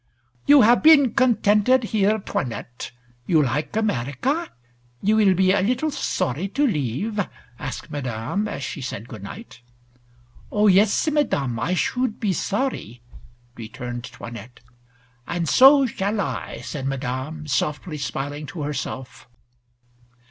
"You have been contented here, 'Toinette? You like America, you will be a little sorry to leave?" asked Madame as she said good night. "Oh, yes, Madame, I should be sorry," returned 'Toinette. "And so shall I," said Madame softly, smiling to herself.